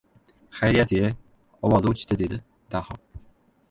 — Xayriyat-ye, ovozi o‘chdi! — dedi Daho.